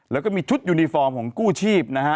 แล้วก็มีชุดยูนิฟอร์มของกู้ชีพนะฮะ